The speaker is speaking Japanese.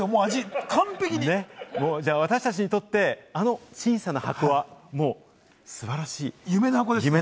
私達にとって、あの小さな箱は素晴らしい、夢の箱ですね。